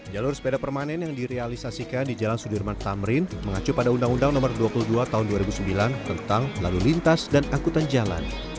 jalur sepeda permanen yang direalisasikan di jalan sudirman tamrin mengacu pada undang undang no dua puluh dua tahun dua ribu sembilan tentang lalu lintas dan angkutan jalan